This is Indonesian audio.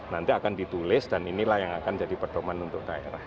nanti akan ditulis dan inilah yang akan jadi perdoman untuk daerah